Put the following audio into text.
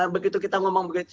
begitu kita ngomong begitu